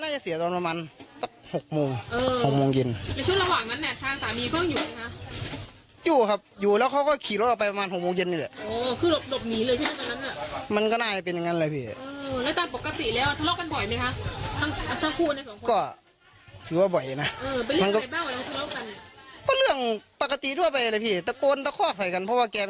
น่าจะเสียตอนประมาณสับหกโมงเออในช่วงระหว่างนั้นแหม